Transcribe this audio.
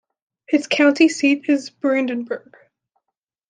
Its county seat is Brandenburg.